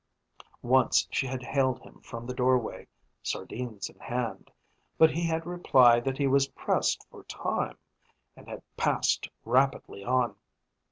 Once she had hailed him from the doorway, sardines in hand, but he had replied that he was pressed for time, and had passed rapidly on.